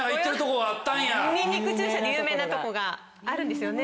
にんにく注射で有名なとこがあるんですよね？